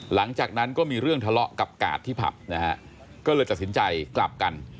หลังจากนั้นก็มีเรื่องทะเลาะกับกาดที่ผับนะฮะก็เลยตัดสินใจกลับกัน